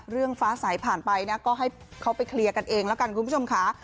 ฟ้าสายผ่านไปนะก็ให้เขาไปเคลียร์กันเองแล้วกันคุณผู้ชมค่ะ